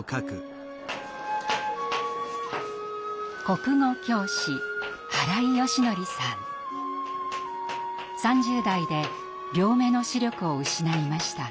国語教師３０代で両目の視力を失いました。